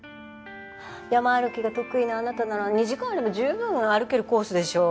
山歩きが得意なあなたなら２時間あれば十分歩けるコースでしょう。